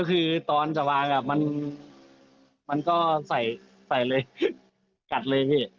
คือตอนสว่างอ่ะมันก็ใส่กลัดเลย